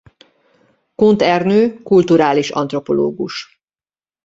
Kunt Ernő kulturális antropológus.